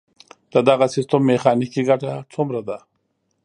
د دغه سیستم میخانیکي ګټه څومره ده؟